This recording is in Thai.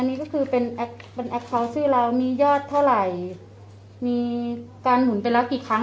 นี่ก็คือเป็นแอคเป็นแอคเคาน์ชื่อเรามียอดเท่าไหร่มีการหมุนไปแล้วกี่ครั้ง